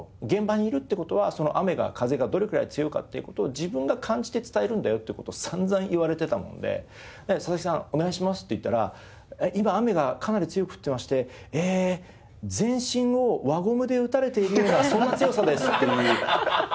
「現場にいるって事はその雨が風がどれくらい強いかっていう事を自分が感じて伝えるんだよ」って事を散々言われてたもんで「佐々木さんお願いします」って言ったら「今雨がかなり強く降ってましてええ全身を輪ゴムで打たれているようなそんな強さです」っていう。